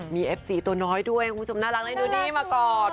มีเอฟซีตัวน้อยด้วยคุณผู้ชมน่ารักเลยดูนี่มาก่อน